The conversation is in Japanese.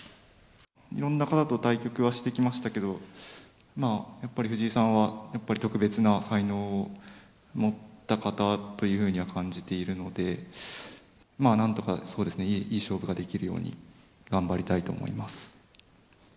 いろんな方と対局はしてきましたけれども、やっぱり藤井さんは、やっぱり特別な才能を持った方というふうには感じているので、まあ、なんとか、そうですね、いい勝負ができるように頑張りたいと思います。